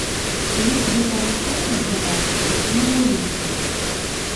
Лічбы павышэння, здавалася б, невялікія.